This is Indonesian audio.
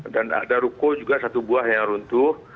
dan ada ruko juga satu buah yang runtuh